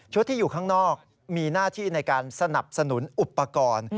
ที่อยู่ข้างนอกมีหน้าที่ในการสนับสนุนอุปกรณ์